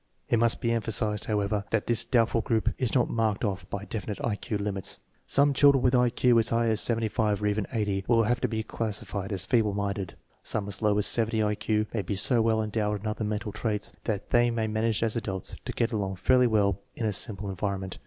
It must be emphasized, however, that this doubtful group is not marked off by definite I Q limits. Some chil dren with I Q as high as 75 or even 80 will have to be classified as feeble minded; some as low as 70 I Q may be so well endowed in other mental traits that they may manage as adults to get along fairly well in a simple en vironment.